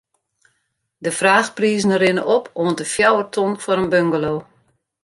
De fraachprizen rinne op oant de fjouwer ton foar in bungalow.